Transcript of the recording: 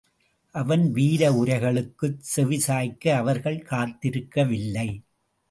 அவன் வீர உரைகளுக்குச் செவி சாய்க்க அவர்கள் காத்திருக்கவில்லை.